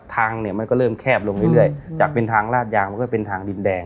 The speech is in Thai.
ทางเนี่ยมันก็เริ่มแคบลงเรื่อยจากเป็นทางลาดยางมันก็เป็นทางดินแดง